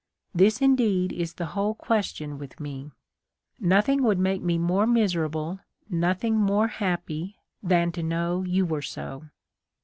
This, indeed, is the whole question with me. Noth ing would make me more miserable, nothing more happy, than to know you were so.